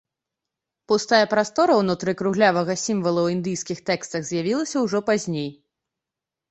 Пустая прастора ўнутры круглявага сімвала ў індыйскіх тэкстах з'явілася ўжо пазней.